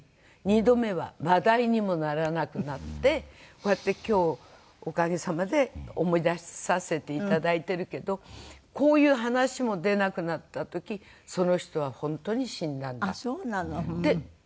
二度目は話題にもならなくなってこうやって今日おかげさまで思い出させていただいてるけどこういう話も出なくなった時その人は本当に死んだんだって言ってましたね。